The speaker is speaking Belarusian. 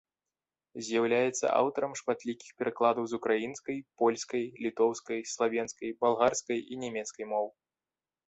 З'яўляецца аўтарам шматлікіх перакладаў з украінскай, польскай, літоўскай, славенскай, балгарскай і нямецкай моў.